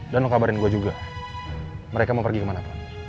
dan lo kabarin gue juga mereka mau pergi kemana pun